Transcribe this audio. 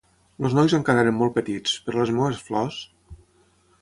Els nois encara eren molt petits, però les meves flors...